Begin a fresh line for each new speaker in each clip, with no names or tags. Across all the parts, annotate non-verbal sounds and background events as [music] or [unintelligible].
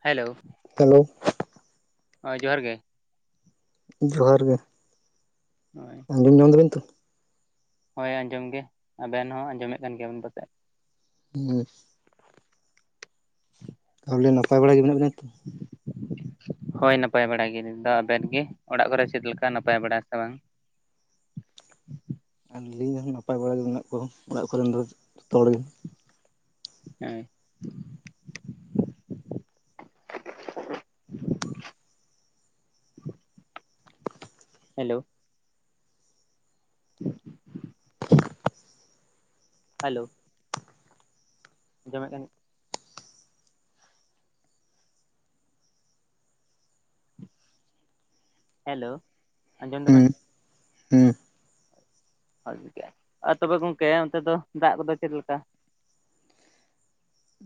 Hello
hello
ᱚ ᱡᱚᱦᱟᱨ ᱜᱮ
ᱡᱚᱦᱟᱨ ᱜᱮ
ᱦᱳᱭ
ᱟᱸᱡᱚᱢ ᱧᱟᱢ ᱫᱟᱵᱤᱱ ᱛᱚ
ᱦᱳᱭ ᱟᱸᱡᱚᱢ ᱜᱮ ᱟᱵᱮᱱ ᱦᱚᱸ ᱟᱸᱡᱚᱢᱮᱫ ᱠᱟᱱ ᱜᱮᱭᱟᱵᱮᱱ ᱯᱟᱥᱮᱫ
ᱦᱩᱸ
[inaudible]
ᱛᱟᱦᱚᱞᱮ ᱱᱟᱯᱟᱭ ᱵᱟᱲᱟ ᱜᱮ ᱢᱮᱱᱟᱜ ᱵᱤᱱᱟ ᱛᱚ
ᱦᱳᱭ ᱱᱟᱯᱟᱭ ᱵᱟᱲᱟ ᱜᱮ ᱟᱞᱤᱧ ᱫᱚ ᱟᱵᱮᱱ ᱜᱮ ᱚᱲᱟᱜ ᱠᱚᱨᱮ ᱪᱮᱫ ᱞᱮᱠᱟ ᱱᱟᱯᱟᱭ ᱵᱟᱲᱟ ᱥᱮ ᱵᱟᱝ
ᱟᱨ ᱞᱤᱧ ᱦᱚᱸ ᱱᱟᱯᱟᱭ ᱵᱟᱲᱟ ᱜᱮ ᱢᱮᱱᱟᱜ ᱠᱚᱣᱟ ᱚᱲᱟᱜ ᱠᱚᱨᱮᱱ ᱫᱚ ᱡᱚᱛᱚ ᱦᱚᱲ ᱜᱮ
ᱦᱮᱸ ᱦᱮᱞᱳ [inaudible] ᱦᱮᱞᱳ ᱡᱚᱢᱮᱫ ᱠᱟᱱᱤᱡᱧ ᱦᱮᱞᱳ ᱟᱸᱡᱚᱢ
ᱦᱩᱸ
ᱫᱟᱵᱮᱱ
ᱦᱩᱸ
[unintelligible] ᱟᱨ ᱛᱚᱵᱮ ᱜᱚᱝᱠᱮ ᱚᱱᱛᱮ ᱫᱚ ᱫᱟᱜ ᱠᱚ ᱫᱚ ᱪᱮᱫ ᱞᱮᱠᱟ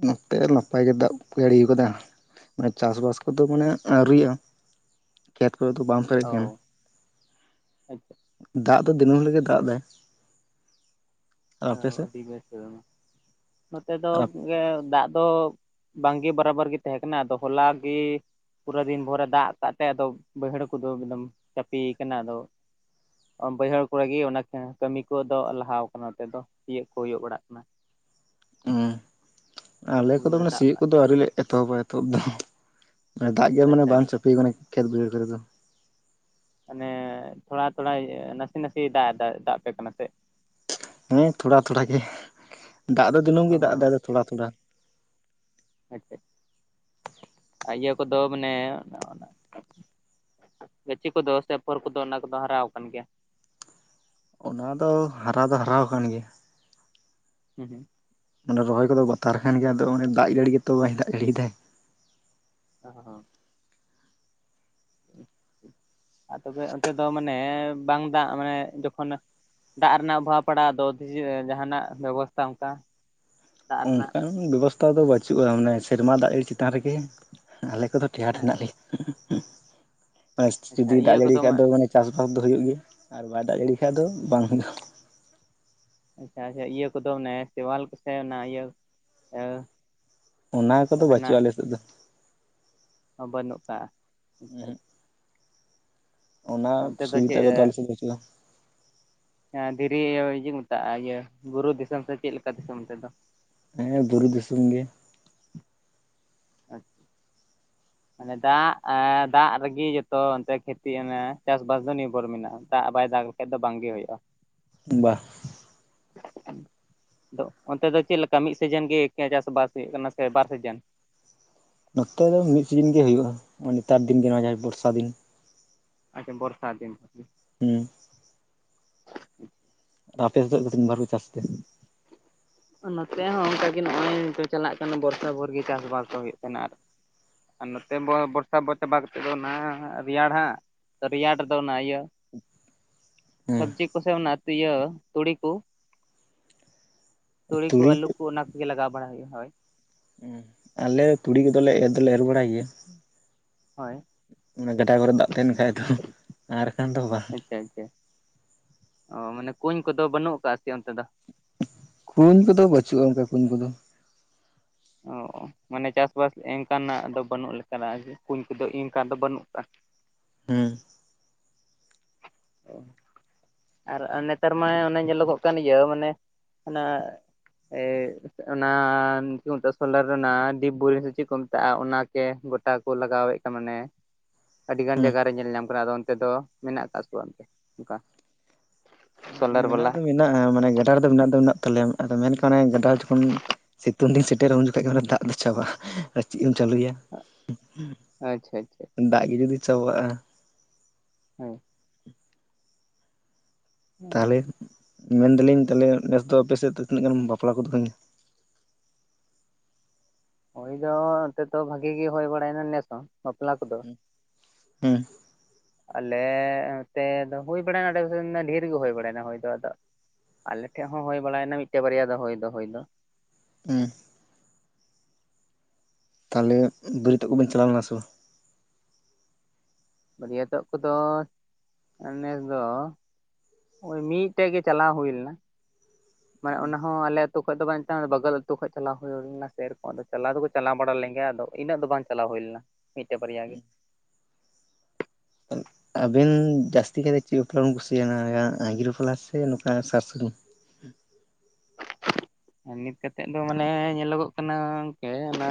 ᱱᱚᱛᱮ ᱱᱟᱯᱟᱭ ᱜᱮ ᱫᱟᱜ ᱠᱚ ᱡᱟᱹᱲᱤ ᱟᱠᱟᱫᱟ [unintelligible] ᱪᱟᱥᱵᱟᱥ ᱠᱚ ᱫᱚ ᱢᱟᱱᱮ ᱟᱹᱣᱨᱤᱭᱟᱜ ᱼᱟ ᱠᱷᱮᱛ ᱠᱚ ᱨᱮ ᱫᱚ ᱵᱟᱢ ᱯᱮᱨᱮᱡ
ᱚ
ᱠᱟᱱᱟ
ᱟᱪᱪᱷᱟ
ᱫᱟᱜ ᱫᱚ ᱫᱤᱱᱟᱹᱢ ᱦᱤᱞᱳᱜ ᱜᱮ ᱫᱟᱜ ᱮᱫᱟᱭ ᱟᱨ
ᱚ
ᱟᱯᱮ ᱥᱮᱫ?
ᱟᱹᱰᱤ ᱵᱮᱥ ᱱᱚᱛᱮ ᱫᱚ
ᱟᱨ
ᱜᱮ ᱫᱟᱜ ᱫᱚ ᱵᱟᱝ ᱜᱮ ᱵᱟᱨᱟᱵᱚᱨ ᱜᱮ ᱛᱟᱦᱮᱸ ᱠᱟᱱᱟ ᱟᱫᱚ ᱦᱚᱞᱟ ᱜᱮ ᱯᱩᱨᱟᱹ ᱫᱤᱱ ᱵᱷᱳᱨ ᱮ ᱫᱟᱜ ᱟᱠᱟᱜ ᱛᱮ ᱟ ᱵᱟᱹᱭᱦᱟᱹᱲ ᱠᱚ ᱫᱚ ᱮᱠᱫᱚᱢ ᱪᱟᱯᱤᱭᱟᱠᱟᱱᱟ ᱟᱫᱚ ᱵᱟᱹᱭᱦᱟᱹᱲ ᱠᱚᱨᱮ ᱜᱮ ᱚᱱᱟ ᱠᱟᱹᱢᱤ ᱠᱚ ᱫᱚ ᱞᱟᱦᱟᱣ ᱠᱟᱱᱟ ᱱᱚᱛᱮ ᱫᱚ ᱛᱤᱭᱟᱹᱜ ᱠᱚ ᱦᱩᱭᱩᱜ ᱵᱟᱲᱟᱜ ᱠᱟᱱᱟ
ᱦᱸ ᱟᱞᱮ ᱠᱚᱫᱚ
ᱩᱭᱦᱟᱹᱨ
ᱢᱟᱱᱮ
ᱫᱟᱜ
ᱥᱤᱭᱳᱜ ᱠᱚ
ᱫᱟᱜ
ᱫᱚ
ᱛᱮ
ᱟᱹᱣᱨᱤ ᱞᱮ ᱮᱛᱚᱦᱚᱵᱟ ᱱᱤᱛᱚᱜ ᱫᱚ [unintelligible] ᱫᱟᱜ ᱜᱮ ᱢᱟᱱᱮ
ᱟᱪᱪᱷᱟ
ᱵᱟᱝ
ᱟᱪᱪᱷᱟ
ᱪᱟᱹᱯᱤ ᱟᱠᱟᱱᱟ ᱠᱷᱮᱛ ᱵᱟᱹᱭᱦᱟᱹᱲ ᱠᱚᱨᱮ ᱫᱚ
ᱢᱟᱱᱮ ᱛᱷᱚᱲᱟ ᱛᱷᱚᱲᱟᱛ ᱱᱟᱥᱮ ᱱᱟᱥᱮᱭ ᱫᱟᱜ ᱮᱫᱟ ᱫᱟᱜ ᱟᱯᱮ ᱠᱟᱱᱟ ᱥᱮ
ᱦᱮᱸ ᱛᱷᱚᱲᱟ ᱛᱷᱚᱲᱟ ᱜᱮ ᱫᱟᱜ ᱫᱚ ᱫᱤᱱᱟᱹᱢ
ᱚ
ᱜᱮ ᱫᱟᱜ
ᱦᱚᱸ
ᱫᱟᱭ ᱟᱫᱚ ᱛᱷᱚᱲᱟ ᱛᱷᱚᱲᱟ
ᱟᱪᱪᱷᱟ ᱟᱨ ᱤᱭᱟᱹ ᱠᱚ ᱫᱚ ᱢᱟᱱᱮ [unintelligible] ᱜᱟᱹᱪᱷᱤ ᱠᱚᱫᱚ ᱥᱮ ᱟᱯᱷᱚᱨ ᱠᱚᱫᱚ ᱚᱱᱟ ᱠᱚᱫᱚ ᱦᱟᱨᱟᱣ ᱠᱟᱱ ᱜᱮᱭᱟ
ᱚᱱᱟ ᱫᱚ ᱦᱟᱨᱟ ᱫᱚ ᱦᱟᱨᱟᱣ ᱠᱟᱱ ᱜᱮᱭᱟ
[unintelligible]
ᱚᱱᱟ ᱨᱚᱦᱚᱭ ᱠᱚᱫᱚ ᱵᱟᱛᱟᱨ ᱠᱟᱱ ᱜᱮᱭᱟ ᱟᱫᱚ ᱫᱟᱜ ᱡᱟᱹᱲᱤ ᱜᱮ ᱛᱚ ᱵᱟᱭ ᱫᱟᱜ ᱡᱟᱲᱤᱭᱫᱟᱭ
[unintelligible]
[inaudible]
ᱟᱨ ᱛᱚᱵᱮ ᱚᱱᱛᱮ ᱫᱚ ᱢᱟᱱᱮ ᱵᱟᱝ ᱫᱟᱜ ᱢᱟᱱᱮ ᱡᱚᱠᱷᱚᱱ ᱫᱟᱜ ᱨᱮᱱᱟᱜ ᱚᱵᱷᱟᱵᱽ ᱯᱟᱲᱟᱜᱼᱟ᱾ ᱟᱫᱚ ᱡᱟᱦᱟᱱᱟᱜ ᱵᱮᱵᱚᱥᱛᱷᱟ ᱚᱱᱠᱟ ᱫᱟᱜ ᱨᱮᱱᱟᱜ
ᱚᱱᱠᱟᱱ ᱵᱮᱵᱚᱥᱛᱷᱟ ᱫᱚ ᱵᱟᱹᱪᱩᱜᱼᱟ᱾ ᱢᱟᱱᱮ ᱥᱮᱨᱢᱟ ᱫᱟᱜ ᱡᱟᱹᱲᱤ ᱪᱮᱛᱟᱱ ᱨᱮᱜᱮ ᱟᱞᱮ ᱠᱚᱫᱚ, ᱴᱮᱸᱦᱟᱸᱴ
ᱦᱮᱸ
ᱦᱮᱱᱟᱜ ᱞᱮᱭᱟ
ᱟᱪᱪᱷᱟ
ᱡᱩᱫᱤ
ᱤᱭᱟᱹ
ᱫᱟᱜ ᱡᱟᱹᱲᱤ
ᱠᱚᱫᱚ
ᱠᱷᱟᱡ ᱫᱚ ᱢᱟᱱᱮ ᱪᱟᱥ ᱵᱟᱥ ᱫᱚ ᱦᱳᱭᱳᱜ ᱜᱮᱭᱟ᱾ ᱟᱨ ᱵᱟᱭ ᱫᱟᱜ ᱡᱟᱲᱤᱭ ᱠᱷᱟᱡ ᱫᱚ ᱵᱟᱝ ᱦᱳᱭᱳᱜᱼᱟ᱾
ᱟᱪᱪᱷᱟ ᱟᱪᱪᱷᱟ ᱤᱭᱟᱹ ᱠᱚ ᱫᱚ ᱱᱮ ᱥᱮᱣᱟᱞ ᱠᱚ ᱥᱮ ᱚᱱᱟ ᱤᱭᱟᱹ?
ᱚᱱᱟ ᱠᱚᱫᱚ ᱵᱟᱪᱩᱜᱼᱟ ᱟᱞᱮ ᱥᱮᱫ ᱫᱚ᱾
ᱵᱟᱹᱱᱩᱜᱼᱟ᱾
ᱩᱸᱦᱩᱜ ᱚᱱᱟ
ᱟᱪᱪᱷᱟ ᱚᱱᱛᱮ ᱫᱚ
ᱥᱩᱵᱤᱛᱟ ᱠᱚᱫᱚ ᱟᱞᱮ
ᱪᱮᱫ
ᱥᱮᱫ ᱫᱚ ᱵᱟᱪᱩᱜᱼᱟ᱾
ᱫᱷᱤᱨᱤ ᱤᱭᱟᱹ ᱪᱮᱫ ᱠᱚ ᱢᱮᱛᱟᱜᱼᱟ ᱤᱭᱟᱹ ᱵᱩᱨᱩ ᱫᱤᱥᱚᱢ ᱥᱮ ᱪᱮᱫ ᱞᱮᱠᱟ ᱫᱤᱥᱚᱢ ᱚᱱᱛᱮ ᱫᱚ?
ᱦᱮᱸ ᱵᱩᱨᱩ ᱫᱤᱥᱚᱢ ᱜᱮ᱾
ᱟᱪᱪᱷᱟ᱾ ᱢᱟᱱᱮ ᱫᱟᱜ, ᱫᱟᱜ ᱨᱮ ᱜᱮ ᱡᱚᱛᱚ ᱚᱱᱛᱮ ᱠᱷᱮᱛᱤ ᱚᱱᱟ ᱪᱟᱥᱵᱟᱥ ᱫᱚ ᱱᱤᱨᱵᱷᱚᱨ ᱢᱮᱱᱟᱜᱼᱟ᱾ ᱫᱟᱜ ᱵᱟᱭ ᱫᱟᱜ [unintelligible] ᱫᱚ ᱵᱟᱝ ᱜᱮ ᱦᱩᱭᱩᱜᱼᱟ᱾
ᱵᱟ᱾
ᱟᱫᱚ ᱚᱱᱛᱮ ᱫᱚ ᱪᱮᱜ ᱞᱮᱠᱟ ᱢᱤᱫ ᱥᱤᱡᱮᱱ ᱜᱮ ᱪᱟᱥᱵᱟᱥ ᱦᱩᱭᱩᱜ ᱠᱟᱱᱟ ᱥᱮ ᱵᱟᱨ ᱥᱤᱡᱤᱱ?
ᱱᱚᱛᱮ ᱫᱚ ᱢᱤᱜ ᱥᱤᱡᱤᱱ ᱜᱮ ᱦᱩᱭᱩᱜᱼᱟ᱾ ᱦᱚᱸᱜᱼᱚᱭ ᱱᱮᱛᱟᱨ ᱫᱤᱱ ᱜᱮ ᱱᱚᱣᱟ ᱡᱟᱦᱟᱸ ᱵᱚᱨᱥᱟ ᱫᱤᱱ᱾
ᱟᱪᱪᱷᱟ ᱵᱚᱨᱥᱟ ᱫᱤᱱ?
ᱦᱮᱸ᱾ ᱟᱯᱮ ᱥᱮᱜ ᱵᱟᱨ [unintelligible] ᱪᱟᱥᱛᱮ?
ᱱᱚᱛᱮ ᱦᱚᱸ ᱚᱱᱠᱟᱜᱮ ᱱᱚᱜᱼᱚᱭ ᱱᱤᱛᱚᱜ ᱪᱟᱞᱟᱜ ᱠᱟᱱᱟ ᱵᱚᱨᱥᱟ ᱵᱷᱳᱨ ᱜᱮ ᱪᱟᱥᱵᱟᱥ ᱠᱚ ᱦᱩᱭᱩᱜ ᱛᱟᱦᱮᱱᱟ ᱟᱨ, ᱟᱨ ᱱᱚᱛᱮ ᱵᱚᱨᱥᱟ ᱵᱚ ᱪᱟᱵᱟ ᱠᱟᱛᱮᱜ ᱫᱚ ᱚᱱᱟ ᱨᱮᱭᱟᱲ ᱦᱟᱸᱜ, ᱨᱮᱭᱟᱲ ᱨᱮ ᱫᱚ ᱚᱱᱟ ᱤᱭᱟᱹ
ᱦᱮᱸ
ᱥᱚᱵᱽᱡᱤ ᱠᱚ ᱥᱮ ᱚᱱᱟ ᱤᱭᱟᱹ ᱛᱩᱲᱤ ᱠᱚ᱾ ᱛᱩᱲᱤ ᱠᱚ ᱟᱹᱞᱩ ᱠᱚ ᱚᱱᱟ ᱠᱚ ᱜᱮ ᱞᱟᱜᱟᱣ ᱵᱟᱲᱟ ᱦᱩᱭᱩᱜᱼᱟ ᱦᱳᱭ᱾
ᱟᱞᱮ ᱛᱩᱲᱤ ᱠᱚᱫᱚ ᱞᱮ ᱮᱨ ᱫᱚᱞᱮ ᱮᱨ ᱵᱟᱲᱟᱭ ᱜᱮᱭᱟ᱾
ᱦᱳᱭ
ᱚᱱᱟ ᱜᱟᱰᱟ ᱠᱚᱨᱮ ᱫᱟᱜ ᱛᱟᱦᱮᱱ ᱠᱷᱟᱡ ᱫᱚ ᱟᱨ ᱵᱟᱠᱷᱟᱱ ᱫᱚ ᱵᱟᱝ᱾
ᱟᱪᱷᱟ ᱟᱪᱪᱷᱟ᱾ ᱚ ᱢᱟᱱᱮ ᱠᱩᱧ ᱠᱚ ᱫᱚ ᱵᱟᱹᱱᱩᱜ ᱟᱠᱟᱜᱼᱟ ᱥᱮᱪᱮ ᱚᱱᱛᱮ ᱫᱚ?
ᱠᱩᱧ ᱠᱚ ᱫᱚ ᱵᱟᱹᱪᱩᱜᱼᱟ ᱚᱱᱠᱟ ᱠᱩᱧ ᱠᱚ ᱫᱚ᱾
ᱚ ᱢᱟᱱᱮ ᱪᱟᱥᱵᱟᱥ ᱮᱱᱠᱟᱱᱟᱜ ᱫᱚ ᱵᱟᱹᱱᱩᱜ ᱞᱮᱠᱟᱱᱟᱜ ᱜᱮ ᱠᱩᱧ ᱠᱚ ᱫᱚ ᱤᱱᱠᱟ ᱫᱚ ᱵᱟᱹᱱᱩᱜ ᱠᱟᱜᱼᱟ᱾
ᱦᱩᱸ᱾
ᱟᱨ ᱱᱮᱛᱟᱨ ᱢᱟ ᱚᱱᱮ ᱧᱮᱞᱚᱜᱚᱜ ᱠᱟᱱ ᱜᱮᱭᱟᱹ ᱢᱟᱱᱮ ᱚᱱᱟ, ᱮᱜ ᱚᱱᱟ ᱪᱮᱜ ᱠᱚ ᱢᱮᱛᱟᱜᱼᱟ ᱥᱳᱞᱟᱨ ᱨᱮᱱᱟᱜ ᱫᱤᱯ [unintelligible] ᱥᱮ ᱪᱮᱜ ᱠᱚ ᱢᱮᱛᱟᱜᱼᱟ ᱚᱱᱟᱜᱮ᱾ ᱜᱚᱴᱟ ᱠᱚ ᱞᱟᱜᱟᱣᱮᱫ ᱠᱟᱱᱟ ᱢᱟᱱᱮ ᱟᱹᱰᱤ ᱜᱟᱱ ᱡᱟᱭᱜᱟ ᱨᱮ ᱧᱮᱞ ᱧᱟᱢ ᱠᱟᱱᱟ ᱟᱫᱚ ᱚᱱᱛᱮ ᱫᱚ ᱢᱮᱱᱟᱜ ᱠᱟᱜ ᱠᱚᱣᱟ ᱚᱱᱠᱟ᱾ ᱥᱳᱞᱟᱨ
ᱢᱮᱱᱟᱜ
ᱵᱟᱞᱟ
ᱫᱚ ᱢᱮᱱᱟᱜᱼᱟ, ᱢᱟᱱᱮ ᱜᱟᱰᱟ ᱨᱮᱫᱚ ᱢᱮᱱᱟᱜ ᱫᱚ ᱢᱮᱱᱟᱜ ᱛᱟᱞᱮᱭᱟ, ᱟᱫᱚ ᱢᱮᱱᱠᱷᱟᱱ ᱜᱟᱰᱟ ᱡᱚᱠᱷᱚᱱ, ᱥᱤᱛᱩᱝ ᱫᱤᱱ ᱥᱮᱴᱮᱨᱼᱟ, ᱩᱱ ᱡᱚᱠᱷᱟᱡ ᱜᱮ ᱫᱟᱜ ᱫᱚ ᱪᱟᱵᱟᱜᱼᱟ ᱟᱨ ᱪᱮᱫ ᱮᱢ ᱪᱟᱹᱞᱩᱭᱟ᱾
ᱟᱪᱪᱷᱟ ᱟᱪᱪᱷᱟ
ᱫᱟᱜ ᱜᱮ ᱡᱩᱫᱤ ᱪᱟᱵᱟᱜᱼᱟ,
ᱦᱮᱸ᱾
ᱛᱟᱦᱚᱞᱮ ᱢᱮᱱᱫᱟᱞᱤᱧ ᱛᱟᱦᱚᱞᱮ ᱱᱮᱥ ᱫᱚ ᱟᱯᱮᱥᱮᱫ ᱫᱚ ᱛᱤᱱᱟᱹᱜ ᱜᱟᱱ ᱵᱟᱯᱞᱟ ᱠᱚᱫᱚ ᱦᱩᱭ ᱱᱟ?
ᱦᱳᱭ ᱫᱚ ᱱᱚᱱᱛᱮ ᱫᱚ ᱵᱷᱟᱜᱤ ᱜᱮ ᱦᱩᱭ ᱵᱟᱲᱟᱭᱱᱟ ᱱᱮᱥ ᱦᱚᱸ ᱵᱟᱯᱞᱟ ᱠᱚᱫᱚ᱾
ᱦᱮᱸ
ᱟᱞᱮ ᱱᱚᱛᱮ ᱫᱚ ᱦᱩᱭ ᱵᱟᱲᱟᱭᱱᱟ ᱰᱷᱮᱨ ᱜᱮ ᱦᱩᱭ ᱵᱟᱲᱟᱭᱱᱟ ᱦᱩᱭ ᱫᱚ ᱟᱫᱚ ᱟᱞᱮ ᱴᱷᱮᱡ ᱦᱚᱸ ᱦᱩᱭ ᱵᱟᱲᱟᱭᱮᱱᱟ ᱢᱤᱫᱴᱮᱡ ᱵᱟᱨᱭᱟ ᱫᱚ ᱦᱩᱭ ᱫᱚ ᱦᱳᱭ ᱫᱚ᱾
[unintelligible] ᱛᱟᱦᱚᱞᱮ ᱵᱟᱹᱨᱭᱟᱹᱛᱚᱜ ᱠᱚ ᱵᱮᱱ ᱪᱟᱞᱟᱣ ᱞᱮᱱᱟ ᱥᱮ ᱵᱟᱝ?
ᱵᱟᱹᱨᱭᱟ ᱛᱚᱜ ᱠᱚᱫᱚ ᱱᱮᱥ ᱫᱚ ᱳᱭ ᱢᱤᱫᱴᱮᱡ ᱜᱮ ᱪᱟᱞᱟᱣ ᱦᱩᱭ ᱞᱮᱱᱟ, ᱢᱟᱱᱮ ᱚᱱᱟ ᱦᱚᱸ ᱟᱞᱮ ᱟᱹᱛᱩ ᱠᱷᱚᱡ ᱫᱚ ᱵᱟᱝ, ᱵᱟᱜᱟᱞ ᱟᱛᱩ ᱠᱷᱚᱡ ᱪᱟᱞᱟᱣ ᱦᱩᱭ ᱞᱮᱱᱟ, ᱥᱮᱨᱚᱠᱚᱢ ᱟᱫᱚ ᱪᱟᱞᱟᱣ ᱫᱚᱠᱚ ᱪᱟᱞᱟᱣ ᱵᱟᱲᱟ ᱞᱮᱱ ᱜᱮᱭᱟ ᱟᱫᱚ ᱤᱱᱟᱹᱜ ᱫᱚ ᱵᱟᱝ ᱪᱟᱞᱟᱣ ᱦᱩᱭ ᱞᱮᱱᱟ ᱢᱤᱫᱴᱮᱡ ᱵᱟᱨᱭᱟ ᱜᱮ
ᱟᱵᱮᱱ ᱡᱟᱹᱥᱛᱤ ᱠᱟᱭᱛᱮ ᱪᱮᱫ ᱵᱟᱯᱞᱟ ᱵᱤᱱ ᱠᱩᱥᱤᱭᱟᱜᱼᱟ ᱟᱸᱜᱤᱨ ᱵᱟᱯᱞᱟ ᱥᱮ ᱱᱚᱝᱠᱟ ᱥᱟᱨ ᱥᱟᱹᱜᱩᱱ [inaudible]
ᱱᱤᱛ ᱠᱟᱛᱮᱫ ᱫᱚ ᱢᱟᱱᱮ ᱧᱮᱞᱚᱜᱚᱜ ᱠᱟᱱᱟ ᱜᱚᱝᱠᱮ ᱚᱱᱟ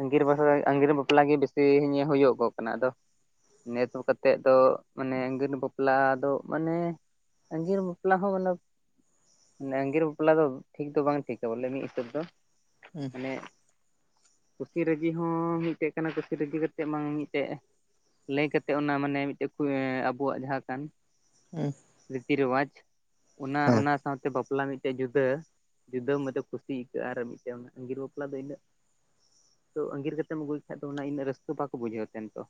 ᱟᱸᱜᱤᱨ ᱟᱸᱜᱤᱨ ᱵᱟᱯᱞᱟ ᱜᱮ ᱵᱮᱥᱤ ᱦᱩᱭᱩᱜᱚᱜ ᱠᱟᱱᱟ ᱟᱫᱚ ᱱᱮ ᱛᱚᱜ ᱠᱟᱛᱮᱫ ᱫᱚ ᱢᱟᱱᱮ ᱟᱸᱜᱤᱨ ᱵᱟᱯᱞᱟ ᱫᱚ ᱢᱟᱱᱮ ᱟᱸᱜᱤᱨ ᱵᱟᱯᱞᱟ ᱦᱚᱸ ᱢᱟᱱᱮ ᱟᱸᱜᱤᱨ ᱵᱟᱯᱞᱟ ᱫᱚ ᱴᱷᱤᱠ ᱫᱚ ᱵᱟᱝ ᱴᱷᱤᱠᱟ ᱵᱚᱞᱮ ᱢᱤᱫ ᱦᱤᱥᱟᱹᱵ ᱫᱚ
[unintelligible]
ᱢᱟᱱᱮ ᱠᱩᱥᱤ ᱨᱟᱹᱡᱤ ᱦᱚᱸ ᱢᱤᱫᱴᱮᱡ ᱠᱟᱱᱟ ᱠᱩᱥᱤ ᱨᱟᱹᱡᱤ ᱠᱟᱛᱮᱮᱫ ᱵᱟᱝ ᱢᱤᱫᱴᱮᱡ ᱞᱟᱹᱭ ᱠᱟᱛᱮᱫ ᱚᱱᱟ ᱢᱟᱱᱮ ᱢᱤᱫᱴᱮᱡ ᱟᱵᱚᱣᱟᱜ ᱡᱟᱦᱟᱸ ᱠᱟᱱ
[unintelligible]
ᱨᱤᱛᱤ ᱨᱚᱣᱟᱪ ᱚᱱᱟ
ᱦᱮᱸ
ᱚᱱᱟ ᱥᱟᱶᱛᱮ ᱵᱟᱯᱞᱟ ᱢᱤᱫ ᱢᱤᱫᱴᱮᱡ ᱡᱩᱫᱟᱹ ᱡᱩᱫᱟᱹ ᱢᱩᱫᱟ ᱠᱩᱥᱤ ᱟᱹᱭᱠᱟᱹᱜᱼᱟ ᱟᱨ ᱢᱤᱫᱴᱮᱱ ᱟᱸᱜᱤᱨ ᱵᱟᱯᱞᱟ ᱫᱚ ᱤᱱᱟᱹᱜ ᱛᱚ ᱟᱜᱤᱨ ᱠᱟᱛᱮᱢ ᱟᱹᱜᱩᱭ ᱠᱷᱟᱡ ᱫᱚ ᱚᱱᱟ ᱤᱱᱟᱹᱜ ᱨᱟᱹᱥᱠᱟᱹ ᱵᱟᱠᱚ ᱵᱩᱡᱷᱟ. ᱣ ᱛᱟᱦᱮᱱ ᱛᱚ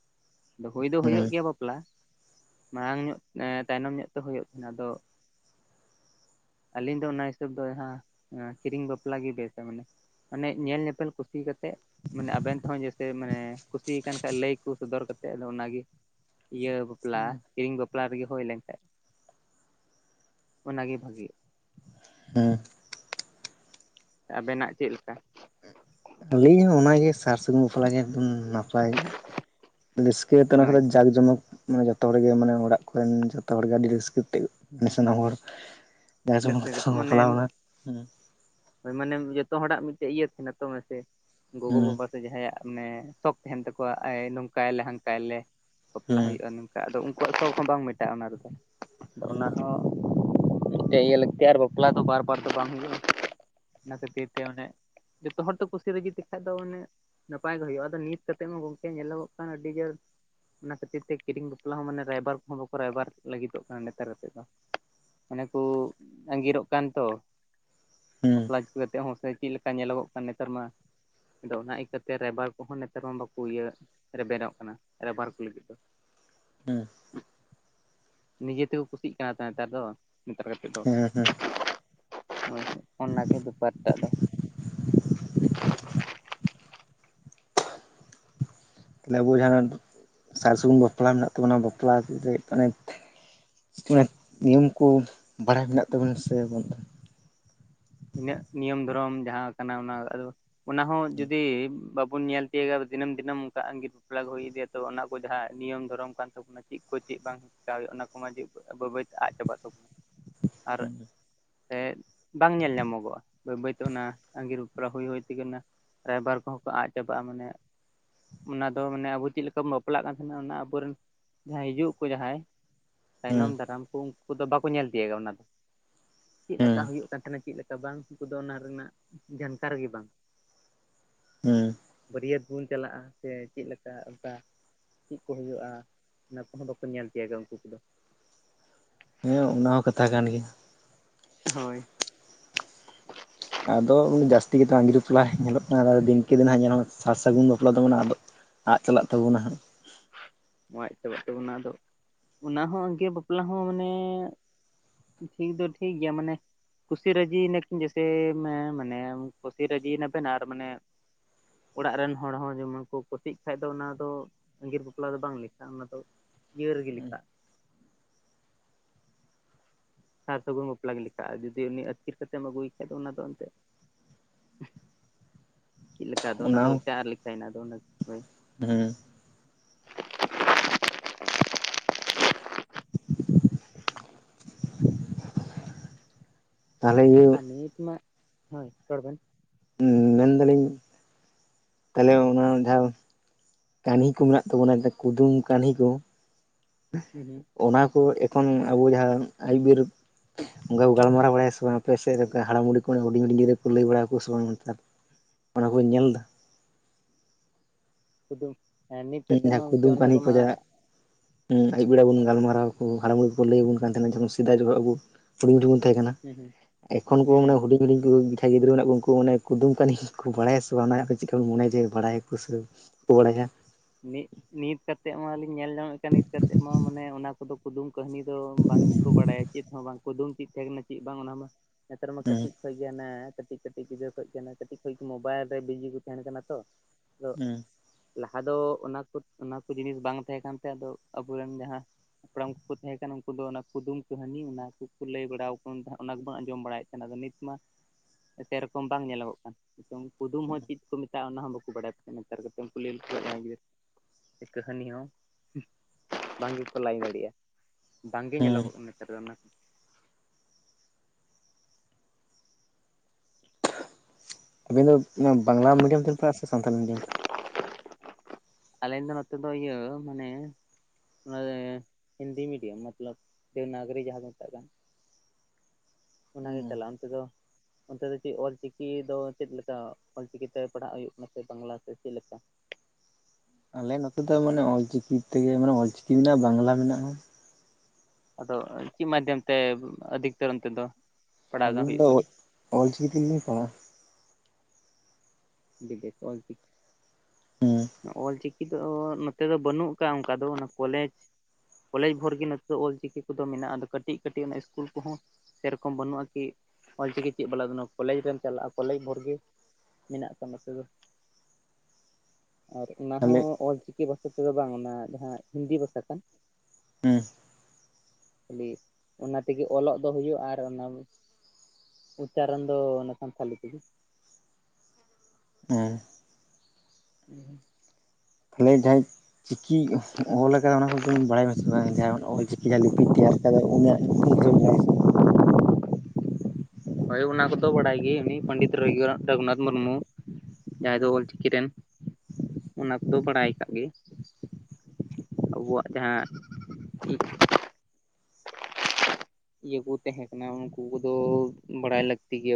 ᱦᱳᱭ ᱫᱚ
ᱦᱮᱸ
ᱦᱳᱭᱳᱜ ᱜᱮᱭᱟ ᱵᱟᱯᱞᱟ ᱢᱟᱲᱟᱝ ᱧᱚᱜ ᱛᱟᱭᱱᱚᱢ ᱧᱚᱜ ᱛᱮ ᱦᱩᱭᱩᱜ ᱛᱟᱦᱮᱸ ᱟᱫᱚ ᱟᱹᱞᱤᱧ ᱫᱚ ᱚᱱᱟ ᱦᱤᱥᱟᱹᱵ ᱫᱚ ᱡᱟᱦᱟ ᱠᱤᱨᱤᱧ ᱵᱟᱯᱞᱟ ᱜᱮ ᱵᱮᱥᱟ ᱢᱟᱱᱮ ᱟᱱᱮ ᱧᱮᱞ ᱧᱮᱯᱮᱞ ᱠᱩᱥᱤ ᱠᱟᱛᱮᱜ ᱢᱟᱱᱮ ᱟᱵᱮᱱ ᱛᱮᱦᱚᱸ ᱡᱮ ᱥᱮᱭ ᱢᱟᱱᱮ ᱠᱩᱥᱤ ᱟᱠᱟᱱ ᱠᱷᱟᱱ ᱞᱟᱹᱭ ᱠᱚ ᱥᱚᱫᱚᱨ ᱠᱟᱛᱮᱫ ᱟᱫᱚ ᱚᱱᱟᱜᱮ ᱤᱭᱟᱹ ᱵᱚᱯᱞᱟ ᱠᱤᱨᱤᱝ ᱵᱚᱯᱞᱟ ᱨᱮᱜᱮ ᱦᱳᱭ ᱞᱮᱱ ᱛᱟᱦᱮᱫ ᱚᱱᱟᱜᱮ ᱵᱷᱟᱜᱤ
ᱦᱩ
ᱟᱵᱮᱱᱟᱜ ᱪᱮᱫ ᱞᱮᱠᱟ
ᱟᱞᱤᱧ ᱦᱚ ᱚᱱᱟ ᱚᱱᱟᱜᱮ ᱥᱟᱨ ᱥᱟᱹᱜᱩᱱ ᱵᱟᱯᱞᱟᱜ ᱜᱮ ᱮᱠᱫᱚᱢ ᱱᱟᱯᱟᱭ ᱨᱟᱹᱥᱠᱟ ᱛᱮᱱᱟᱜ ᱛᱮ ᱚᱱᱟ ᱠᱚᱫᱚ
ᱦᱳᱭ
ᱡᱟᱠ ᱡᱚᱢᱚᱠ ᱢᱟᱱᱮ ᱡᱚᱛᱚ ᱦᱚᱲᱜᱮ ᱢᱟᱱᱮ ᱚᱲᱟᱜ ᱠᱚᱨᱮᱱ ᱡᱚᱛᱚ ᱦᱚᱲᱜᱮ ᱟᱹᱰᱤ ᱨᱟᱹᱥᱠᱟᱹ ᱛᱮ ᱥᱟᱱᱟᱢ ᱦᱚᱲ ᱡᱟᱠ ᱡᱚᱢᱚᱠ
ᱨᱟᱹᱥᱠᱟᱹ
ᱠᱚ
ᱠᱟᱛᱮᱫ ᱢᱟᱱᱮ
ᱵᱟᱯᱞᱟ ᱵᱚᱱᱟ
ᱦᱳᱭ ᱢᱟᱱᱮ ᱡᱚᱛᱚ ᱦᱚᱲᱟᱜ ᱢᱤᱫᱴᱮᱡ ᱤᱭᱟᱹ ᱛᱟᱦᱮᱱᱟ ᱛᱚ ᱢᱮᱥᱮ ᱜᱚᱜᱚ
ᱦᱩᱸ
ᱵᱟᱵᱟ ᱡᱟᱦᱟᱸᱭᱟᱜ ᱢᱟᱱᱮ ᱥᱚᱠ ᱛᱟᱦᱮᱱ ᱛᱟᱠᱚᱣᱟ ᱱᱚᱝᱠᱟᱭᱟᱞᱮ ᱦᱟᱱᱠᱟᱭᱟᱞᱮ ᱵᱟᱯᱞᱟ
ᱦᱩᱸ
ᱦᱩᱭᱩᱜᱼᱟ ᱟᱫᱚ ᱩᱱᱠᱩᱣᱟᱜ ᱥᱚᱠ ᱦᱚᱸ ᱵᱟᱝ ᱢᱮᱴᱟᱜᱼᱟ ᱚᱱᱟ ᱨᱮᱫᱚ ᱚᱱᱟ
ᱦᱩᱸ
ᱦᱚᱸ [unintelligible] ᱞᱟᱹᱜᱤᱛ ᱟᱨ ᱵᱟᱯᱞᱟ ᱫᱚ ᱵᱟᱨ ᱵᱟᱨ ᱫᱚ ᱵᱟᱝ ᱦᱩᱭᱩᱜᱼᱟ ᱚᱱᱟ ᱠᱷᱟᱛᱤᱨ ᱛᱮ ᱚᱱᱮ ᱡᱚᱛᱚ ᱦᱚᱲ ᱛ ᱠᱩᱥᱤ ᱨᱟᱡᱤ ᱛᱮᱠᱷᱟᱡ ᱫᱚ ᱚᱱᱮ ᱱᱟᱯᱟᱭ ᱜᱮ ᱦᱩᱭᱩᱜ-ᱟ ᱟᱫᱚ ᱱᱤᱛ ᱠᱟᱛᱮᱫ ᱦᱚᱸ ᱜᱚᱝᱠᱮ ᱧᱮᱞᱚᱜᱚᱜ ᱠᱟᱱᱟ ᱟᱹᱰᱤ ᱡᱳᱨ ᱚᱱᱟ ᱠᱷᱟᱹᱛᱤᱨ ᱛᱮ ᱠᱤᱨᱤᱧ ᱵᱟᱯᱞᱟ ᱦᱚᱸ ᱢᱟᱱᱮ ᱨᱟᱭᱵᱟᱨ ᱠᱚᱦᱚᱸ ᱵᱟᱠᱚ ᱨᱟᱭᱵᱟᱨ ᱞᱟᱹᱜᱤᱫᱚᱜ ᱠᱟᱱᱟ ᱱᱮᱛᱟᱨᱛᱮᱫ ᱫᱚ ᱚᱱᱮ ᱠᱚ ᱟᱸᱝᱜᱤᱨᱚᱜ ᱠᱟᱱ ᱛᱚ
ᱦᱩᱸ
ᱵᱟᱯᱞᱟ ᱠᱟᱛᱮ ᱦᱚᱸ ᱥᱮ ᱪᱮᱫ ᱞᱮᱠᱟ ᱧᱮᱞᱚᱜᱚᱜ ᱠᱟᱱ ᱱᱮᱛᱟᱨ ᱢᱟ ᱟᱫᱚ ᱚᱱᱟ ᱤᱠᱟᱹᱛᱮ ᱨᱟᱭᱵᱟᱨ ᱠᱚᱦᱚᱸ ᱱᱮᱛᱟᱨ ᱢᱟ ᱵᱟᱠᱚ ᱤᱭᱟᱹ ᱨᱮᱵᱮᱱᱚᱜ ᱠᱟᱱᱟ ᱨᱟᱭᱵᱟᱨ ᱠᱚ ᱞᱟᱹᱜᱤᱫ ᱫᱚ
ᱦᱮᱸ
ᱱᱤᱡᱮ ᱛᱮᱠᱚ ᱠᱩᱥᱤᱜ ᱠᱟᱱᱟ ᱱᱮᱛᱟᱨ ᱫᱚ ᱱᱮᱛᱟᱨ ᱠᱟᱛᱮ ᱫᱚ
ᱦᱮᱸ ᱦᱮᱸ
ᱚᱱᱟᱜᱮ ᱵᱮᱯᱟᱨ ᱴᱟᱜ ᱫᱚ
[unintelligible] ᱛᱟᱦᱞᱮ ᱟᱵᱚ ᱡᱟᱦᱟᱸ ᱥᱟᱨ ᱥᱟᱹᱜᱩᱱ ᱵᱟᱯᱞᱟ ᱢᱮᱱᱟᱜ ᱛᱟᱵᱚᱱᱟ ᱵᱟᱯᱞᱟ ᱨᱮ ᱚᱱᱮ ᱱᱤᱭᱚᱢ ᱠᱚ ᱵᱟᱲᱟᱭ ᱢᱮᱱᱟᱜ ᱛᱟᱵᱚᱱᱟ ᱥᱮ ᱵᱟᱱᱩᱜ ᱛᱟᱵᱚᱱᱟ
ᱤᱱᱟᱹᱜ ᱱᱤᱭᱚᱢ ᱫᱷᱚᱨᱚᱢ ᱡᱟᱦᱟᱸ ᱠᱟᱱᱟ ᱚᱱᱟ ᱟᱫᱚ ᱚᱱᱟ ᱦᱚᱸ ᱡᱩᱫᱤ ᱵᱟᱵᱚᱱ ᱧᱮᱞ ᱫᱤᱱᱟᱢ ᱫᱤᱱᱟᱢ ᱚᱱᱠᱟ ᱟᱸᱜᱤᱨ ᱵᱟᱯᱞᱟ ᱠᱚ ᱦᱩᱭ ᱤᱫᱤᱭᱟ ᱛᱚ ᱚᱱᱟ ᱠᱚ ᱡᱟᱦᱟᱸ ᱱᱤᱭᱚᱢ ᱫᱷᱚᱨᱚᱢ ᱠᱟᱱ ᱛᱟᱵᱚᱱᱟ ᱪᱮᱫ ᱠᱚ ᱪᱮᱫ ᱵᱟᱝ ᱪᱮᱠᱟ ᱦᱩᱭᱩᱜ ᱚᱱᱟ ᱠᱚᱢᱟ ᱵᱟᱹᱭ ᱵᱟᱹᱭᱛᱮ ᱟᱫ ᱪᱟᱵᱟᱜ ᱛᱟᱵᱚᱱᱟ
[unintelligible]
ᱟᱨ ᱥᱮ ᱵᱟᱝ ᱧᱮᱞ ᱧᱟᱢᱚᱜᱼᱟ ᱮᱢᱚᱜ-ᱟ ᱵᱟᱹᱭ ᱵᱟᱹᱭᱛᱮ ᱚᱱᱟ, ᱟᱸᱜᱤᱨ ᱵᱟᱯᱞᱟ ᱦᱩᱭ ᱦᱩᱭ ᱛᱮᱜᱮ ᱚᱱᱟ ᱾ ᱨᱟᱭᱵᱟᱨ ᱠᱚᱦᱚᱸ ᱠᱚ ᱟᱫ ᱪᱟᱵᱟᱜ-ᱟ ᱢᱟᱱᱮ ᱾ ᱚᱱᱟ ᱫᱚ ᱢᱟᱱᱮ ᱟᱵᱚ ᱪᱮᱫ ᱞᱮᱠᱟ ᱵᱚᱱ ᱵᱟᱯᱞᱟᱜ ᱠᱟᱱ ᱛᱟᱦᱮᱱᱟ, ᱚᱱᱟ ᱟᱵᱚᱨᱮᱱ, ᱡᱟᱦᱟᱸᱭ ᱦᱤᱡᱩᱜ ᱟᱠᱚ ᱡᱟᱦᱟᱸᱭ
ᱦᱩᱸ
ᱛᱟᱭᱱᱚᱢ ᱫᱟᱨᱟᱢ ᱠᱚ ᱩᱱᱠᱩ ᱫᱚ ᱵᱟᱠᱚ ᱧᱮᱞ ᱛᱤᱭᱳᱜᱟ ᱚᱱᱟ ᱫᱚ ᱾ ᱪᱮᱫ
ᱦᱩᱸ
ᱞᱮᱠᱟ ᱦᱩᱭᱩᱜ ᱠᱟᱱ ᱛᱟᱦᱮᱱᱟ ᱪᱮᱫ ᱞᱮᱠᱟ ᱾ ᱵᱟᱝ ᱩᱱᱠᱩ ᱫᱚ ᱚᱱᱟ ᱨᱮᱱᱟᱜ ᱡᱟᱱᱠᱟᱨ ᱜᱮ ᱵᱟᱝ,
ᱦᱩᱸ
ᱵᱟᱹᱨᱭᱟᱹᱛ ᱵᱚᱱ ᱪᱟᱞᱟᱜ-ᱟ ᱥᱮ ᱪᱮᱫ ᱞᱮᱠᱟ ᱚᱱᱠᱟ, ᱪᱮᱫ ᱠᱚ ᱦᱩᱭᱩᱜ-ᱟ, ᱚᱱᱟ ᱠᱚᱦᱚᱸ ᱵᱟᱠᱚ ᱧᱮᱞ ᱛᱤᱭᱚᱜ ᱜᱟ, ᱩᱱᱠᱩ ᱠᱚᱫᱚ ᱾
ᱦᱮᱸ ᱚᱱᱟ ᱦᱚᱸ ᱠᱟᱛᱷᱟ ᱠᱟᱱ ᱜᱮᱭᱟ ᱾
ᱦᱳᱭ
ᱟᱫᱚ ᱩᱱᱤ ᱡᱟᱹᱥᱛᱤ ᱜᱮᱛᱚ ᱟᱝᱜᱤᱨ ᱵᱟᱯᱞᱟ ᱧᱮᱞᱚᱜ ᱠᱟᱱᱟ, ᱫᱤᱱᱠᱮ ᱫᱤᱱ ᱦᱟᱸᱜ ᱧᱮᱞᱚᱜ ᱠᱟᱱᱟ ᱾ ᱥᱟᱨ ᱥᱟᱹᱜᱩᱱ ᱵᱟᱯᱞᱟ ᱫᱚ ᱟᱫᱚ ᱟᱫ ᱪᱟᱞᱟᱜ ᱛᱟᱵᱚᱱᱟ ᱾ ᱦᱟᱸᱜ
ᱪᱟᱵᱟᱜ ᱛᱟᱵᱚᱱᱟ ᱟᱫᱚ, ᱚᱱᱟ ᱦᱚᱸ ᱟᱝᱜᱤᱨ ᱵᱟᱯᱞᱟ ᱦᱚᱸ ᱢᱟᱱᱮ ᱴᱷᱤᱠ ᱫᱚ ᱴᱷᱤᱠ ᱜᱤᱭᱟ, ᱢᱟᱱᱮ ᱠᱩᱥᱤ ᱨᱟᱹᱡᱤ ᱱᱟᱠᱤᱱ ᱡᱮᱥᱮ ᱢᱟᱱᱮ ᱠᱩᱥᱤ ᱨᱟᱹᱡᱤ ᱮᱱᱟᱵᱱᱟ ᱟᱨ ᱢᱟᱱᱮ ᱚᱲᱟᱜ ᱨᱮᱱ ᱦᱚᱲ ᱦᱚᱸ ᱡᱮᱢᱚᱱ ᱠᱚ ᱠᱩᱥᱤᱜ ᱠᱷᱟᱡ ᱫᱚ ᱚᱱᱟ ᱫᱚ, ᱟᱸᱜᱤᱨ ᱵᱟᱯᱞᱟ ᱫᱚ ᱵᱟᱝ ᱞᱮᱠᱷᱟᱜ-ᱟ, ᱚᱱᱟᱫᱚ, ᱤᱭᱟᱹ ᱨᱮᱜᱮ ᱞᱮᱠᱷᱟᱜ-ᱟ ᱾ ᱥᱟᱨ ᱥᱟᱹᱜᱩᱱ ᱵᱟᱯᱞᱟᱝ ᱞᱮᱠᱟᱜ-ᱟ, ᱡᱩᱫᱤ ᱩᱱᱤ ᱟᱹᱛᱠᱤᱨ ᱠᱟᱛᱮᱢ ᱟᱹᱜᱩᱭ ᱠᱷᱟᱡ ᱫᱚ ᱚᱱᱟ ᱫᱚ ᱮᱱᱛᱮᱜ ᱪᱮᱫᱞᱮᱠᱟ ᱚᱱᱟ ᱫᱚ ᱮᱴᱟᱜ ᱞᱮᱠᱟᱱᱟ ᱟᱫᱚ ᱦᱳ
ᱦᱮᱸ ᱛᱟᱦᱚᱞᱮ ᱤᱭᱟᱹ
ᱟᱨ ᱱᱤᱛ ᱢᱟ ᱦᱳᱭ, ᱨᱚᱲ ᱵᱮᱱ,
ᱢᱮᱱᱫᱟᱞᱤᱧ ᱛᱟᱦᱚᱞᱮ ᱚᱱᱟ ᱡᱟᱦᱟᱸ ᱠᱟᱹᱱᱦᱤ ᱠᱚ ᱢᱮᱱᱟᱜ ᱛᱟᱵᱚᱱᱟ, ᱠᱩᱫᱩᱢ ᱠᱟᱹᱱᱦᱤ ᱠᱚ,
ᱦᱩᱸ ᱦᱩᱸ
ᱚᱱᱟ ᱠᱚ ᱮᱠᱷᱚᱱ ᱟᱵᱚ ᱡᱟᱦᱟᱸ ᱟᱹᱭᱩᱵ ᱚᱱᱠᱟ ᱠᱚ ᱜᱟᱞᱢᱟᱨᱟᱣ ᱵᱟᱲᱟᱭᱟ ᱥᱮ ᱵᱟᱝ ᱟᱯ ᱥᱮᱫ ᱨᱮ ᱦᱟᱲᱟᱢ ᱵᱩᱲᱦᱤ ᱦᱩᱰᱤᱧ ᱦᱩᱰᱤ ᱜᱤᱫᱨᱟᱹ ᱞᱟᱹᱭ ᱵᱟᱲᱣᱟ ᱥᱮ ᱵᱟᱝ ᱱᱮᱛᱟᱨ? ᱚᱱᱟ ᱠᱚᱧ ᱧᱮᱞ ᱮᱫᱟ,
ᱠᱩᱫᱩᱢ
ᱡᱟᱦᱟᱸ ᱠᱩᱫᱩᱢ ᱠᱟᱹᱦᱱᱤ ᱠᱚ ᱡᱮ ᱟᱭᱩᱵ ᱵᱮᱲᱟ ᱵᱩᱱ
ᱦᱩᱸ
ᱜᱟᱞᱢᱟᱨᱟᱣ ᱦᱟᱲᱟᱢ ᱵᱩᱲᱦᱤ ᱠᱚ ᱞᱟᱹᱭᱟᱵᱚᱱ ᱠᱟᱱ ᱛᱟᱦᱮᱱᱟ ᱡᱚᱠᱷᱚᱱ ᱥᱮᱫᱟᱭ ᱡᱚᱠᱷᱚᱱ ᱟᱵᱚ ᱦᱩ ᱛᱟᱦᱮᱸ ᱠᱟᱱᱟ
ᱦᱩᱸ
᱾ ᱮᱠᱷᱚᱱ ᱠᱚ
ᱦᱩᱸ
ᱢᱟᱱᱮ
ᱦᱩᱸ
ᱦᱩᱰᱤᱧ ᱦᱩᱲᱤᱧ ᱠᱚ ᱠᱷᱮᱞ ᱜᱤᱫᱽᱨᱟᱹ ᱢᱮᱱᱟᱜ ᱠᱚ ᱩᱱᱠ ᱠᱩᱫᱩᱢ ᱠᱟᱦᱱᱤ ᱠᱚ ᱵᱟᱲᱟ ᱥᱮ ᱵᱟᱝ ᱚᱱᱟ ᱪᱮᱫᱠᱟ ᱵᱚᱱᱮᱭᱟ ᱡᱮ ᱵᱟᱲᱟᱠᱚ ᱥᱮ‌ ᱯᱚ ᱵᱟᱲᱟᱭᱟ,
ᱱᱤᱛ ᱱᱤᱛ ᱠᱟᱛᱮᱫ ᱢᱟᱞᱤᱧ ᱧᱮᱞ ᱧᱟᱢᱮᱫ ᱠᱟᱱ ᱱᱤᱛ ᱠᱟᱛᱮᱫ ᱢᱟ, ᱢᱟᱱᱮ ᱚᱱᱟ ᱠᱚᱫᱚ, ᱠᱩᱫᱩᱢ ᱠᱟᱹᱦᱱᱤ ᱫᱚ ᱵᱟᱝ ᱜᱮᱠᱚ ᱵᱟᱲᱟᱭᱟ, ᱪᱮᱫ ᱦᱚᱸ ᱵᱟᱝ ᱠᱩᱫᱩᱢ ᱪᱮᱫ ᱛᱟᱦᱮᱸᱠ ᱠᱟᱱᱟ, ᱪᱮᱫ ᱵᱟᱝ ᱚᱱᱟ ᱢᱟ ᱱᱮᱛᱟᱨ ᱢᱟ
ᱦᱩᱸ
ᱠᱟᱹᱴᱤᱡ ᱠᱷᱚᱭ ᱜᱮ ᱠᱟᱹᱴᱤᱡ ᱠᱟᱹᱴᱤᱡ ᱜᱤᱫᱽᱨᱟᱹ ᱠᱷᱚᱡ ᱜᱮ ᱠᱟᱹᱴᱤᱡ ᱠᱷᱚᱡ ᱢᱳᱵᱟᱭᱤᱞ ᱨᱮ ᱵᱤᱡᱤ ᱠᱚ ᱛᱟᱦᱮᱱ ᱠᱟᱱᱟ ᱛᱚ᱾
ᱦᱩᱸ
ᱟᱫᱚ ᱚᱱᱟ ᱠᱚ ᱚᱱᱟ ᱠᱚ ᱡᱤᱱᱤᱥ ᱵᱟᱝ ᱛᱟᱦᱮᱸ ᱠᱟᱱᱛᱮ, ᱟᱫᱚ ᱟᱵᱚᱨᱮᱱ ᱡᱟᱦᱟᱸ ᱦᱟᱯᱲᱟᱢ ᱠᱚᱠᱚ ᱛᱟᱦᱮᱸ ᱠᱟᱱᱟ ᱩᱱᱠᱩ ᱫᱚ ᱚᱱᱟ ᱠᱩᱫᱩᱢ ᱠᱟᱹᱦᱱᱤ ᱚᱱᱟ ᱠᱚᱠᱚ ᱞᱟᱹᱭ ᱵᱟᱲᱟ ᱛᱟᱦᱮᱸ ᱚᱱᱟ ᱜᱮᱵᱚᱱ ᱟᱸᱡᱚᱢ ᱵᱟᱲᱟᱭᱮᱫ ᱛᱟᱦᱮᱸ᱾ ᱫᱚ ᱱᱤᱛ ᱢᱟ ᱥᱮᱨᱚᱠᱚᱢ ᱵᱟᱝ ᱧᱮᱞᱚᱜᱚᱜ ᱠᱟᱱ ᱱᱤᱛᱚᱝ ᱾ ᱠᱩᱫᱩᱢ ᱦᱚᱸ ᱪᱮᱫ ᱠᱚ ᱢᱮᱛᱟᱜᱼᱟ, ᱚᱱᱟ ᱦᱚᱸ ᱵᱟᱠᱚ ᱵᱟᱲᱟᱭ ᱱᱮᱛᱟᱨ ᱠᱟᱛᱮ ᱠᱩᱞᱤ [unintelligible] ᱠᱟᱹᱦᱱᱤ ᱦᱚᱸ ᱵᱟᱝ ᱜᱤ ᱞᱟᱹᱭ ᱫᱟᱲᱮᱭᱟᱜᱼᱟ᱾ ᱵᱟᱝᱜᱮ
ᱦᱩᱸ
ᱧᱮᱞᱚᱜᱚᱜ ᱠᱟᱱᱟ ᱱᱮᱛᱟᱨ ᱫᱚ ᱚᱱᱟ ᱾
ᱟᱵᱮᱱ ᱫᱚ ᱵᱟᱝᱞᱟ ᱢᱤᱰᱤᱭᱟᱢ ᱛᱮᱱ ᱯᱟᱲᱦᱟ-ᱟ ᱥᱮ ᱥᱟᱱᱛᱤ ᱢᱤᱰᱤᱭᱟᱢ ᱛᱮ?
ᱟᱞᱮᱧ ᱫᱚ ᱱᱚᱛᱮ ᱫᱚ ᱤᱭᱟᱹ ᱢᱟᱱᱮ, [unintelligible] ᱦᱤᱱᱫᱤ ᱢᱤᱰᱤᱭᱟᱢ ᱢᱚᱛᱞᱚᱵ ᱫᱮᱵᱽᱱᱟᱜᱤᱨᱤ ᱡᱟᱦᱟᱸ ᱠᱚ ᱢᱮᱛᱟᱜ ᱠᱟᱱ᱾ ᱚᱱᱟᱜᱮ
ᱦᱩᱸ
ᱪᱟᱞᱟᱜᱼᱟ ᱚᱱᱛᱮ ᱫᱚ ᱚᱱᱛᱮ ᱫᱚ ᱪᱮᱫ ᱚᱞ ᱪᱤᱠᱤ ᱫᱚ ᱪᱮᱫᱞ ᱞᱮᱠᱟ, ᱚᱞ ᱪᱤᱠᱤ ᱛᱮ ᱯᱟᱲᱦᱟᱜ ᱦᱩᱭᱩᱜ ᱠᱟᱱᱟ ᱥᱮ ᱵᱟᱝᱞᱟ ᱥᱮ ᱪᱮᱫ ᱞᱮᱠᱟ?
ᱟᱞᱮ ᱱᱚᱛᱮ ᱫᱚ ᱢᱟᱱᱮ ᱚᱞ ᱪᱤᱠᱤ ᱛᱮᱜᱮ ᱢᱟᱱᱮ ᱚᱞ ᱪᱤᱠᱤ ᱢᱮᱱᱟᱜᱼᱟ, ᱵᱟᱝᱞᱟ ᱢᱮᱱᱟᱜᱼᱟ᱾
ᱟᱫᱚ ᱪᱮᱫ ᱢᱟᱫᱽᱫᱷᱚᱢ ᱛᱮ ᱟᱫᱤᱠᱛᱚᱨ ᱚᱱᱛᱮ ᱫᱚ? ᱯᱟᱲᱦᱟᱜ
ᱟᱹᱞᱤᱧ
ᱦᱩᱭᱩᱜ
ᱫᱚ
ᱠᱟᱱᱟ
ᱚᱞ ᱪᱤᱠᱤ ᱛᱮ ᱞᱤᱧ ᱯᱟᱲᱦᱣᱟ ᱾
[inaudible] ᱚᱞ ᱪᱤᱠ
ᱦᱩᱸ
ᱚᱞ ᱪᱤᱠ ᱪᱤᱠᱤ ᱟ ᱱᱚᱛᱮ ᱫᱚ ᱵᱟᱹᱱᱩᱜ ᱟᱠᱟᱫ ᱚᱱᱠᱟ ᱫᱚ ᱚᱱᱟ ᱠᱚᱞᱮᱡᱽ ᱠᱚᱞᱮᱡᱽ ᱵᱷᱳᱨ ᱜᱮ ᱱᱤᱛᱚᱜ ᱚᱞ ᱪᱤᱠᱤ ᱠᱚ ᱫᱚ ᱢᱮᱱᱟᱜᱼᱟ ᱟᱫᱚ ᱠᱟᱹᱴᱤᱡ ᱠᱟᱹᱴᱤᱡ ᱚᱱᱟ ᱤᱥᱠᱩᱞ ᱠᱚ ᱦᱚᱸ ᱥᱮᱨᱚᱠᱚᱢ ᱵᱟᱹᱱᱩᱜᱼᱟ ᱠᱤ ᱚᱞ ᱪᱤᱠᱤ ᱪᱮᱫ ᱵᱟᱞᱟ ᱠᱚᱞᱮᱡᱽ ᱨᱮᱢ ᱪᱟᱞᱟᱜᱼᱟ ᱠᱚᱞᱮᱡᱽ ᱵᱷᱳᱨ ᱜᱮ ᱢᱮᱱᱟᱜ ᱠᱟᱫᱟ ᱱᱚᱛᱮ ᱫᱚ, ᱟᱨ ᱚᱱᱟ
ᱛᱟᱦᱞᱮ
ᱦᱚᱸ ᱚᱞ ᱪᱤᱠᱤ ᱵᱷᱟᱥᱟ ᱛᱮᱫ ᱫᱚ ᱵᱟᱝ ᱚᱱᱟ ᱡᱟᱦᱟᱸ ᱦᱤᱱᱫᱤ ᱵᱷᱟᱥᱟ ᱠᱟᱱ
ᱦᱩᱸ
ᱠᱷᱟᱹᱞᱤ ᱚᱱᱟ ᱛᱮᱜᱮ ᱚᱞᱚᱜ ᱫᱚ ᱦᱩᱭᱩᱜᱼᱟ ᱟᱨ ᱚᱱᱟ ᱩᱪᱟᱨᱚᱱ ᱫᱚ ᱚᱱᱱ ᱥᱟᱛᱷᱟᱞᱤ ᱛᱮ ᱜᱮ᱾
ᱦᱮᱸ ᱟᱞᱮ ᱡᱟᱦᱟᱸᱭ ᱪᱤᱠᱤ ᱚᱞ ᱟᱠᱟᱫᱟ ᱚᱱᱟ ᱠᱚᱫᱚ ᱵᱟᱲᱟᱭ ᱢᱟᱥᱮ ᱵᱟᱝ ᱡᱟᱦᱟᱸ ᱚᱞ ᱪᱤᱠᱤ ᱡᱟᱦᱟᱸ ᱞᱤᱯᱤ ᱛᱮᱭᱟᱨ ᱫᱚ ᱩᱱᱤᱭᱟᱜ ᱧᱩᱛᱩᱢ ᱠᱚᱫᱚ ᱵᱤᱱ ᱵᱟᱲᱟᱭᱟ ᱥᱮ ᱵᱟ?
ᱵᱷᱟᱭ ᱚᱱᱟ ᱠᱚ ᱫᱚ ᱵᱟᱲᱟᱭ ᱜᱮ ᱯᱚᱱᱰᱤᱛ ᱨᱜᱩ ᱨᱚᱜᱷᱩᱱᱟᱛ ᱢᱩᱨᱢᱩ᱾ ᱡᱟᱦᱟᱸᱭ ᱫᱚ ᱚᱞᱪᱤᱠᱤ ᱨᱮᱱ ᱚᱱᱟ ᱠᱚᱫᱚ ᱵᱟᱲᱟᱭ ᱠᱟᱜ ᱜᱮ ᱟᱵᱚᱣᱟᱜ ᱡᱟᱦᱟᱸ ᱤᱭᱟᱹ ᱠᱚ ᱛᱟᱦᱮᱸ ᱠᱟᱱᱟ ᱩᱱᱠᱩ ᱠᱚᱫᱚ ᱵᱟᱲᱟᱭ ᱞᱟᱹᱠᱛᱤ ᱜᱮᱭᱟ᱾